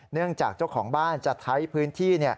เนื่องจากเจ้าของบ้านจะท้ายพื้นที่